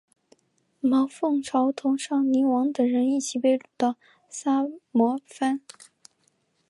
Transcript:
毛凤朝同尚宁王等人一起被掳到萨摩藩。